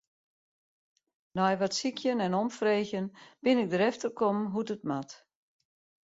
Nei wat sykjen en omfreegjen bin ik derefter kommen hoe't dit moat.